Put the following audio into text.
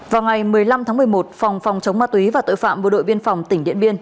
vào ngày một mươi năm tháng một mươi một phòng phòng chống ma túy và tội phạm bộ đội biên phòng tỉnh điện biên